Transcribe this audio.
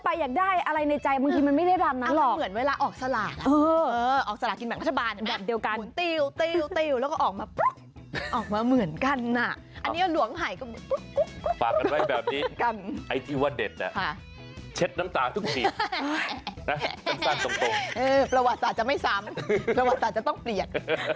ประวัติศาสตร์จะไม่ซ้ำประวัติศาสตร์จะต้องเปลี่ยน